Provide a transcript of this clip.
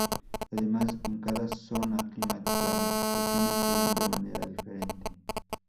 Además, en cada zona climática las estaciones se dan de manera diferente.